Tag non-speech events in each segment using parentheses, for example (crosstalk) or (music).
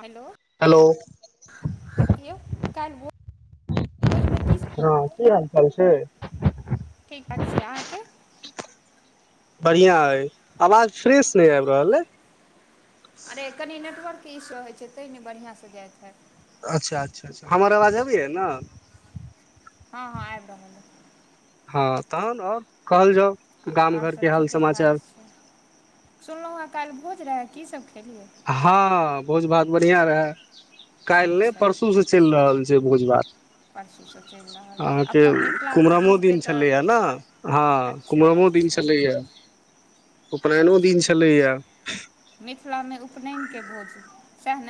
hello hello यौ कालहि भोर हेलो की हाल चाल छै अच्छा अहाँके बढ़िआँ अइ आवाज फ्रेश नहि आबि रहल अइ अरे कनि नेटवर्कके ईशो होइ छै तै ने बढ़िआँसँ जाइत हइ अच्छा अच्छा हमर आवाज अबी है ने हँ हँ आबि रहल ह हँ तहन आ ओर आर सभ ठीके ठाक छै सुनलहुँ हेँ काल्हि भोज रहै कीसभ खेली हँ भोज भात बढ़िया रहय काल् नहि अच्छा परसू से चलि रहल छै भोज भात परसूसँ चलि रहल अ अइ अपन मिथिलाके कुमरमो भोजके दिन तऽ छलै आ न हा अच्छा कुमरनो क उ दिन अच्छा छलैया उपनेनो अच्छा दिन छलैया मिथिलामे उपनयनके भोजन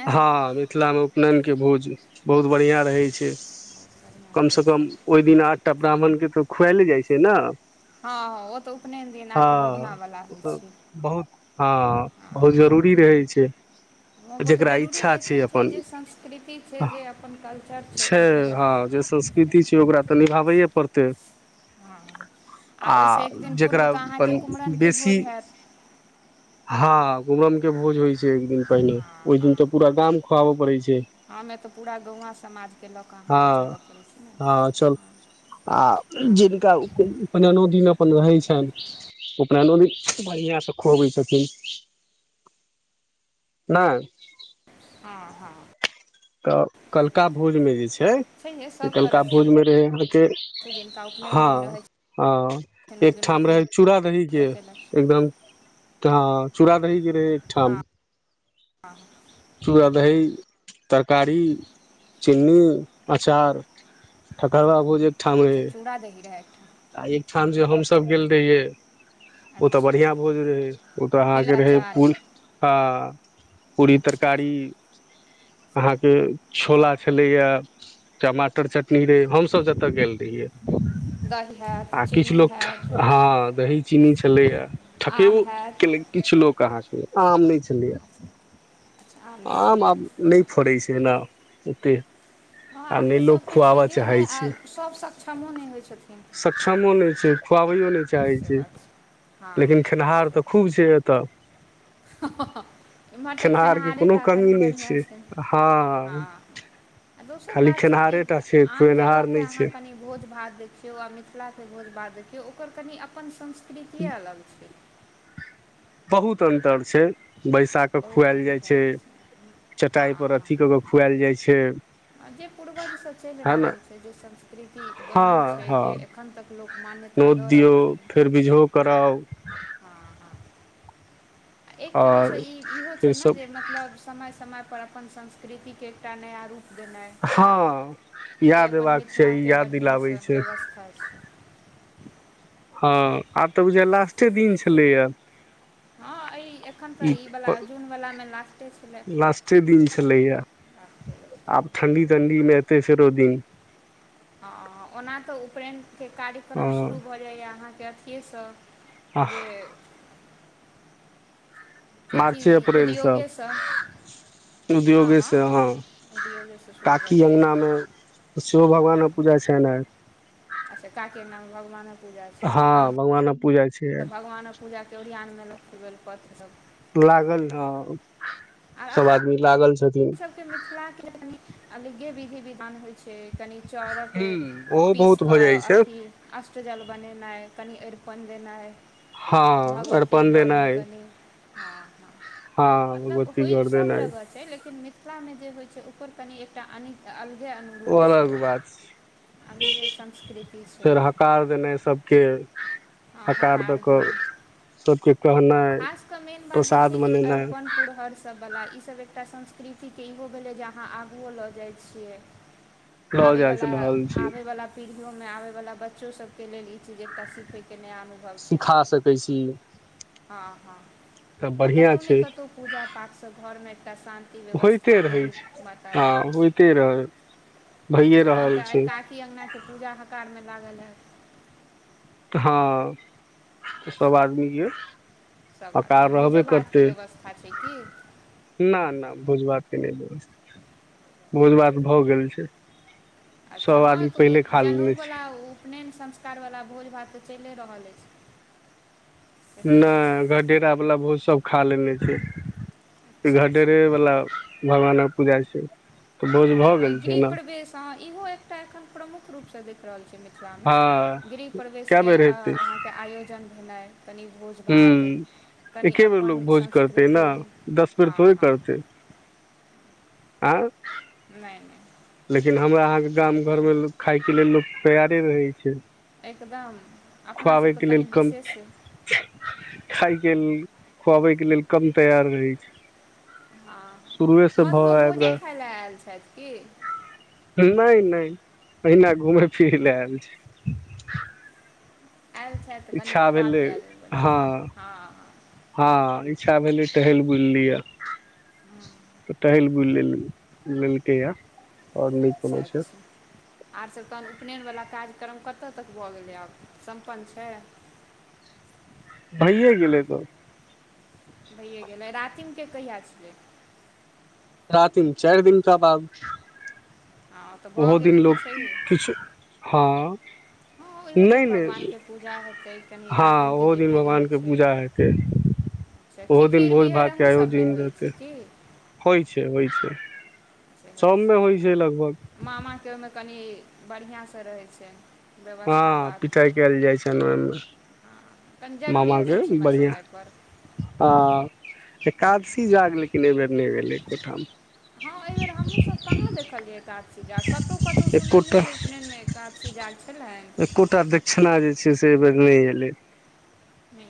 हँ मिथिलामे उपनयन के भोज बहुत बढ़िआँ रहै छै बढ़िआँ कम रहै से कम छै ओहि दिन आठटा ब्राह्मण के तऽ खुआएले जाइ छै ने हँ हँ ओ तऽ उपनयन दिन आठ हँ भभना होइत छै बहुत हँ बहुत ह जरूरी रहै छै ह बहुत तऽ जेकरा जरूरी इच्छा रहिते छै अपन जे संस्कृति छै जे अपन कल्चर छै ओहिके लऽ हँ जे संस्कृति छै ओकरा तऽ निभाबैए पड़तै (unintelligible) हँ आ ओहिसँ एक दिन पूर्व जेकरा तऽ अहाँके अपन कुम्हरमके बेसी भोज हैत हँ गमम के भोज होइ छै एक दिन पहिने हँ ओहि दिन हँ त पूरा गाम खुआबऽ पड़ैत छै हमे तऽ पूरा गौवा समाजके लऽ कऽ हँ अहाँके चलऽ पड़ै छै ने हँ चल आ हँ जिनका उपनेनो दिन अपन रहैत छनि नदी बढ़िआं से खुआबै छथिन नहि आ (inaudible) तऽ कलका भोज में जे छै छैहे सब त कलका तरहके होइ भोजमे रहय अहके छै जिनका उपनयन हँ दिन रहै ह छनि ओहि दिन एकठाम उपनयन रहे चूड़ दही के कऽ केलक एकदम चूरा गेल रहै एकठाम हँ चूड़ा दही तरकारी चिनी अचार ठकार ब भ जे (unintelligible) अच्छा चूड़ा दही रहै एकठाम आ एक ठाम जे हमसभ गेल रहियै ओ तऽ अच्छा बढ़िआँ भोज रहै ओ तऽ तिल अहाँके रहै अचार पू हँ पूरी अच्छा तरकारी अहाँके छोला छलैए यै टमाटर चटनी रेहै हम सब जते गेल रहिये दही हैत आ किछु चिन्नी लोक हैत हँ दही चीनी छलैया आम ठकेबो हैत केलै किछु लोक अहाँके आम नहि छलैए अच्छा आम नहि छलऽ आब नहि फड़ै छैना ओत हँ आब तऽ सभके छैयो नहि आ छै सभ सक्षमो नहि होइ छथिन खुआबै नहि चाहै से छै बात छै हँ लेकिन खेनिहार तऽ खूब छै एतऽ एमहर तऽ खेनिहारे कोनो टा कनि कमी नहि बढ़िआँ छै हँ आ दोसर खाली बात छै कि खेनिहारे टा छै आन खुएनिहार जगहके नहि अहाँ छै कनि भोज भात देखियौ आ मिथिला भोज बाद देखियौ ओकर कनि अपन संस्कृतिए अलग छै बहुत अन्तर छै बैसा क बहुत खुआएल जाइ अन्तर छै आबै छै हँ चटाइ पर हँ अथि कऽ के खुआल जाइ छै जे पूर्वजसँ चलि है ने रहल छै जे संस्कृति हँ बनल छै हँ जे एखन तक लोक मान्य नोत दियौ फेर बीझो कराउ हँ हँ एक तरहसँ आओर ई इहो छै फेर ने सब जे मतलब समय समय पर अपन संस्कृतिके एकटा नया रूप देनाइ हँ जे याद अपन एबाक चाही मिथिलाके याद दिलाबै बढ़िआँसँ छै व्यवस्था छै (inaudible) हँ आब तऽ ओझा लास्टे दिन छलैए (inaudible) हँ एइ एखन तऽ ई व जून वलामे लास्टे छलै लास्टे दिन छलैया लास्टे आब ठण्डी ठण्डी में तेसरे ओ दिन ह ओना तऽ उपनयनके कार्यक्रम हँ शुरू भऽ जाइए अहाँके अथिएसँ जे आह कथी मार्चे अप्रैल उद्योगे सँ उद्योगे से हँ शुरू भऽ काकी जाइए अङ्गनामे सेहो भगवान पूजा छै ने अच्छा काकी आंगना मे भगवानक पूजा छै हँ तहन भगवानक पूजा छै तऽ आइ भगवानक पूजा के ओरियान में लगतै बेलपत्र सभ लागल हँ सब आदमी लागल छथि हम सभके मिथिलाके कनि अलगे विधि विधान होइ छै कनि चाउरक ओहो पिस बहुत भऽ कऽ जाइ छै अथी अष्टजल बनेनाइ कनी अरपन देनाइ हँ भगवती अरिपण घरमे देनाइ कनि हँ हँ हँ मतलब भगवती होइत गौर सभ देनाइ जगह छै लेकिन लेकिन मिथिला मे जे होइ छै ओकर कनि एकटा अ अ ओ अलग बात अन्य छै संस्कृति छै फेर हकार देनाइ सभके हँ हकार दऽ कऽ दियौन सबके कहनाइ खास के मेन बात जे प्रसाद छै ई बनेनाइ अरिपन पुरहर सब वला ई सब एकटा संस्कृतिके इहो भेलै जे अहाँ आगुओ लऽ जाइ छियै लऽ जा आबेवला रहल छी आबेवला पीढ़ियोमे आब वाला बच्चो सब के लेल ई चीज एकटा सीखे के नया अनुभव सिखा सकै छी ह हँ तऽ आ बढ़िआँ कतहुँ ने छै कतहुँ पूजा पाठसँ घरमे एकटा शान्ति व्यवस्था होइते के रहै भी छै वातावरण हँ छै होइते रहै भइए अच्छा तहन तऽ रहल आइ छै काकी अँगनाके पूजा हकार मे लागल हेत हँ तऽ सभ अच्छा आदमी यए सब हकार आदमी रहबे भोजो भातके करते बेबस्था छै कि ना ना भोज भात के नय बेबस्ता (inaudible) बोझ भात भऽ गेल छै अच्छा सब हँ आदमी तऽ उ पहिले खा जनेउ लेने छै बला उपनयन संस्कार बाला भोज भात तऽ चैले रहल अछि सेहो बात छै नहि घढेरा वाला भोज सब खा लेने छै अच्छा अच्छा घटेरे बाला भगवानक पूजा छै तऽ भोज हँ भऽ हँ गेल छै गृह ने प्रवेश अ इहो एकटा एखन प्रमुख रूपसँ देख रहल छियनि मिथिलामे हँ गृह कए प्रवेशके बेर हेतै अहाँके आयोजन भेनाइ कनि भोज हूँ भात कनि एके बेर लोक अपन भोज करतै संस्कृति ने दस बेर हँ थोड़े हँ (inaudible) करतै आँ नाइ नाइ लेकिन हमरा अहाँके गाम घरमे खायके लेल लोक तैयारे रहै छै एकदम खुआबै अपनासभ तऽ के कनि लेल कम विशेष खाायके खुआबैके लेल कम तैयार रहै छै हँ शुरुए से भाव मधुओ आबि भोजे खाय लेल आयल छथि की नहि नहि अहिना घुमै फिरै लेल आयल छैय आयल छथि तऽ कनि इच्छा खुआ भेलै पिया देबै बनै हँ हँ हँ हँ इच्छा भेलै टहैल बुलली लिए टहैल बुल लेल लेलकै या आओर नइ अच्छा कोनो छै अच्छा आर सब तहन उपनयनवला कार्यक्रम कतय तक भऽ गेलै आब सम्पन्न छै (unintelligible) भैए गेलै त भैए गेलै रातिम के कहिया छिए रातिम चारि दिन कऽ बाद हँ तऽ भऽ ओहो दिन गेलै कि लोक छैहे किछु हँ हँ ओहिओ नहि दिन नहि भगवानके पूजा हेतै कनि हँ रातिमके ओहो जे दिन विध होइ भगवानके छै पूजा हेतै से ओहो दिन खिखीर भोज बिहैर भात के अहूँसबमे आयोजन होइ जेतै छै कि होइ छै होइ छै सबमे होइ छै छै लगभग मामाके ओहिमे कनि बढ़िआँ सँ रहै छै बेबस्था हँ बात पिटाई कयल जाइ छनि ओहिमे हँ कनि जरूरिओ छै ने मामाके समय बढ़िआँ समयपर हँ एकादशी जाग लेकिन एहिबेर नै भेलै एको ठाम हँ ए बेेर हमहू सब कहाँ देखलियै एकादशी जाग कतौ कतौ सुनलियै एकोटा जे उपनयन मे एकादशी जाग छै एकोटा दक्षिणा जे छै से एहि बेर नइ एलै नहि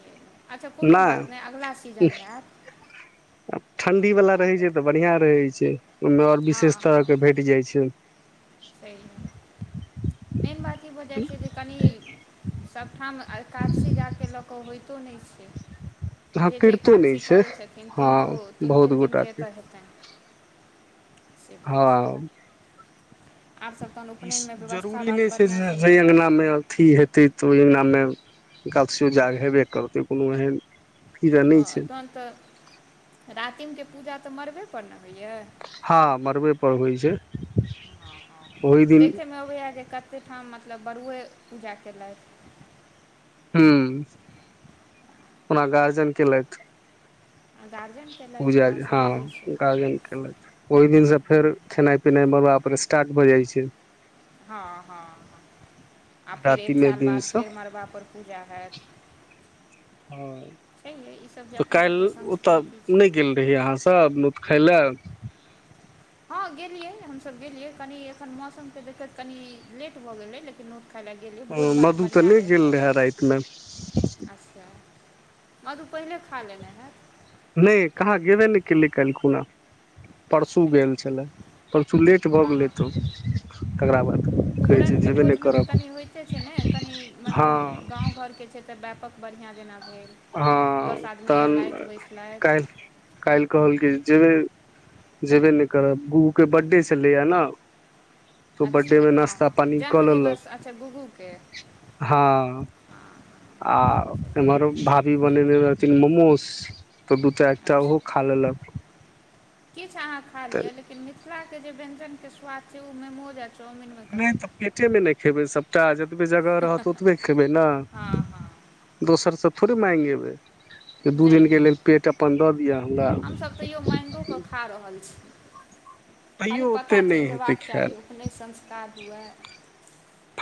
अच्छा कोनो बात नहि अगिला सीजनमे आयत ठण्डी वला रहै छै तऽ बढ़िया रहै छै ओहिमे आओर विशेष तरह के भेट जाय छै स मेन बात ई भऽ जै छै कनी सब ठाम कातसँ जााक लऽ कऽ होइतो नइ छै हँ जे जे करितो नहि एकादशी छै करै छथिन हँ तनको बहुत तिनके गोटा तिनके के एतय हेतनि से बात हँ छै आब सब तहन ई उपनयनमे बेबस्था जरूरी नइ बात छै बढ़िआँ जे सब ओय रहलै अंगनामेअथी हेतै तऽ ओहि अगनामे एकादशी जाग हेबे करतै कोनो एहन कीड़ा नहि हँ छै तहन तऽ (unintelligible) रातिमके पूजा तऽ मरबे पर ने होइए हँ मरबे पर होइ छै ओहि दिन देखैय मे अबैये जे कते ठाम मतब मतलब बड़ुए पूजा केलथि ह ओना गार्जन केलक आ गार्जियन केलथि पूजा हँ सेहो होइ छै गार्जन केलक ओहि दिनसँ फेर खेनाइ पिनाइमे बापर स्टार्ट भऽ जाइ छै हँ हँ आ फेर राति एक मे साल दिन बाद से फेर मड़बा पर पूजा हैत हँ छैहे ईसब जे तऽ अपन सबके काल्हि ओतय संस्कृति छै नहि गेल रहिय अहाँसभ नोत खेलऽ हँ गेलियै हमसभ गेलियै कनि एखन मौसमके देखैत कनि लेट भऽ गेलै लेकिन ओ ओ मधु तऽ नहि गेल रहए रात में अच्छा मधु पहिले खा लेने हैत नहि कहाँ गेबे न के कल्हि खुना अच्छा परसू नहि गेल लेबै छलै परसू लेट भऽ हँ गेलै हँ तऽ तकरा बाद कहै छै कुम्हरमके जेबे नहि भोजमे तऽ करब कनि होइते छै ने कनि हँ मनेब गाँव घरके छै तऽ व्यापक बढ़िआँ जेना भेल हँ दस आदमी तहन अएलथि बैसलथि काल काल्हि कहल कि जेबै जेबे नहि करब बू के बर्थडे छलैए ने तऽ अच्छा बर््डेमे हँ नाश्ता हँ पानि कऽ लेलक जन्मदिवस अच्छा गुग्गूके हँ हँ आ एम्हर भाभी बनेने रहथिन मोमोस तऽ दू तऽ एकटा अच्छा ओहो खा लेलक अच्छा अहाँ खा तऽ लिए लेकिन मिथिला के व्यंजन के स्वाद छै ओ मेमोज नहि तऽ पेटे मे नहि खेबै सबटा जतबे जगह रहत ओतबे खेबै ने हँ हँ दोसर सब थोड़े माइग एबै दू नहि दिन नहि के लेल पेट अपन दर हमसभ तैओ मैंगोक कऽ खा रहल छी खाली तैयो ओते पता चलि नहि हेतै जेयबाक चाही खायल ओपनायन नहि संस्कार हुए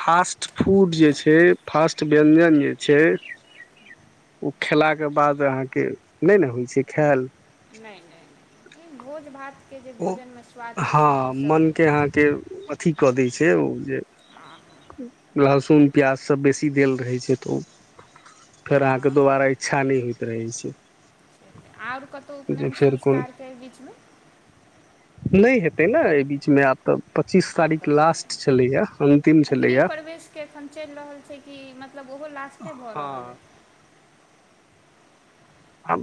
फास्ट फूड जे छै फास्ट व्यञ्जन जे छै ओ खेलाके बाद अहाँके नहि ने होइ छै खायल नहि नहि नहि ई भोज भात ओ हँ मनके तऽ अहाँके अथी कऽ दै छै ओ जे लहसुन प्याज सभ बेसी देल रहै छै तऽ ओ फेर हँ अहाँके हँ दोबारा इच्छा नहि होइत रहै छै आओर कतहु जे उपनयन फेर कोन संस्कारके एहि बीचमे नहि हेतै न एहि बीच में आब तऽ पच्चीस आब क तारीख लास्ट छलैया अन्तिम आ गृह छलैया परवेशके एखन चलि रहल छै कि मतलब ओहो लासटे बड़ हँ ह आ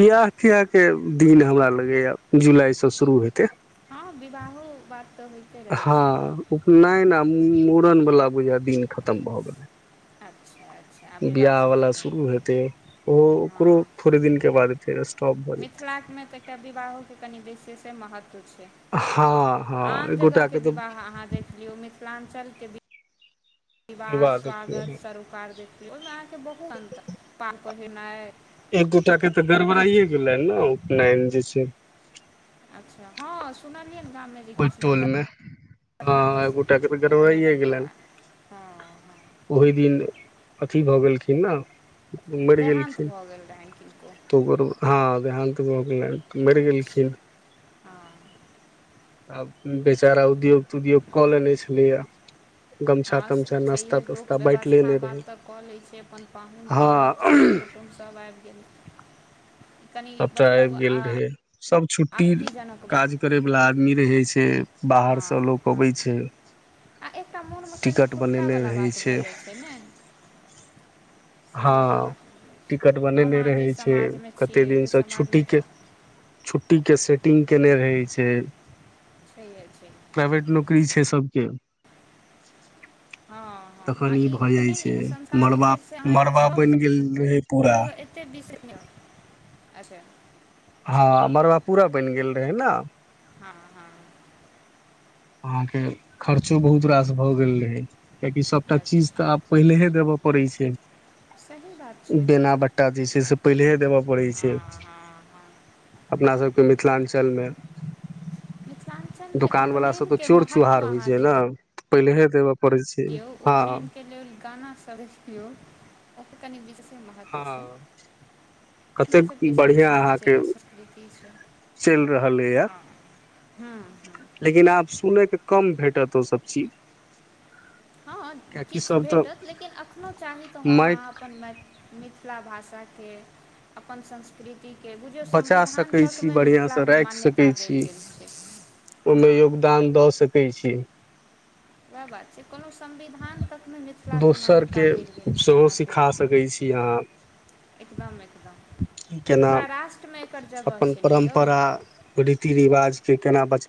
बिवाह अच्छा किय के दिन हमरा लगैएा जुलाई से शुरू हेतै हँ विवाहो बात तऽ होइते रहै छै न बला बुझा दिन खतम भऽ गेलै अच्छा अच्छा आ विवाह बिवाह वालला सभके शुरू हेतै ओहो ओकरो हँ थोड़े दिन के बाद फेर स्टॉप भऽ जेतै ऽ एकटा विवाहोक के कनि विशेष ते महत्व छै हँ हँ आन एक जगह गोटा के तऽ विवाह अहाँ देख लिओ मिथिलाञ्चलके बीच विवाह स्वागत सरोकार देखतीियै ओहिमे अहाँके बहुत अन्त पाल पहिनाइ एकगोटााके तऽ गड़बड़इए गेलै ने उपनयन जे छै अच्छा हँ सुना ओहि टोल में ह एक दुर्घटनावश गोटा के तऽ उपनयन गरबडा गड़बड़ा हँ हँ ओहि दिन अथी भऽ गेल क मरि गेल देहान्त छी भऽ गेल रहनि किनको तकर हँ देहान्त गेल मरि अच्छा गेलखिन हँ आ बेचारा उद्योग त उद्योग कऽ लेने छले हँ स छैहे लोक तास्ता बाँटि व्यवस्था लेने रहै बात तऽ कऽ लै छै अपन पाहुन परक सर हँ कुटुम सब आईब गेल कनि सबटा आबि मतलब गेल आ रहय सब छुट्टी आपत्तिजनक काज करैवला आदमी रहै छै हँ बाहरसँ लोक हँ अबै छै आ एकटा मोनमे कनि टिकट बनेने फुटकावला रहै बात भऽ जाइ छै ने सेहोवला हँ बात भ जाइत टिकट छै हम बनेने अहाँ जे रहै छै समाजमे छी कते दिनसँ छुट्टी के छुट्टी के सेटिंग केने रहे छै छैहे छै प्राइवेट नौकरी छै सभके (inaudible) हँ आ तखन ई भऽ जाइ उपनयन छै एहन संस्कार जे मड़बा छै से मड़बा बनि गेल रहै पूरा बीस अच्छा हँ मड़बा पुरा बनि गेल रहै न हँ हँ अहाँके खर्चो बहुत रास भऽ गेल रहै कियकि सभटा चीज अच्छा तऽ आब पहिलेहे देब परै छै (inaudible) छै बेना बट्टा जे छै से पहिलेहे देबय पड़ै छै हँ हँ हँ अपना सबके मिथिलांचलमे मिथिलांचलमे उपनयन चोर चुहार होइ छै न पहिलेहे देब कियौ उपनयनके लेल गाना सभ रखियौ ओत कनि विशेष हँ अपना कतेक सभ जे बढ़िआँ संस्कार छै अहाँके जे संस्कृति छै चलि रहल अइ हँ हँ लेकिन आब सुनय के कम भेटत ओसब चीज हँ कियाकि किछ सभ तऽ भेटत लेकिन अखनो चाही तऽ हम माइक अहाँ अपन मैथिली मिथ मिथला भाषा के अपन संस्कृति ठीके बुझियौ बचा संविधान सकै तक छी मे बढ़िआँसँ मिथिलाके मान्यता देल गेल छै ओ मे हँ योगदान दऽ सकय छी वेह बात छै कोनो संविधान तक ने मिथिलाके मान्यता दोसरके देल गेल छै सेहो अहाँके सिखा सकै छी अहाँ एकदम एकदम कि केना पूरा राष्ट्रमे एकर जगह अपन छै ने यौ परम्परा रीति रिवाज के केना बचा